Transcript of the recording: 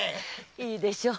いいでしょう。